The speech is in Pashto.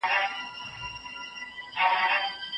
داود خان یو ملي شخصیت و.